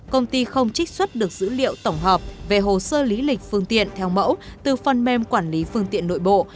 công ty không trích xuất được dữ liệu tổng hợp về hồ sơ lý lịch phương tiện theo mẫu từ phần mềm quản lý phương tiện nội bộ